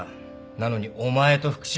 なのにお前と福島。